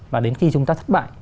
và đến khi chúng ta thất bại